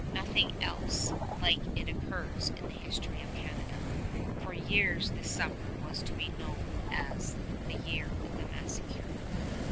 Nothing else like it occurs in the history of Canada. For years this summer was to be known as "the Year of the Massacre."